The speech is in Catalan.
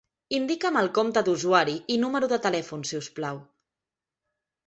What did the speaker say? Indica'm el compte d'usuari i número de telèfon, si us plau.